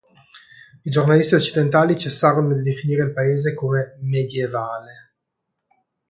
I giornalisti occidentali cessarono di definire il paese come "medievale".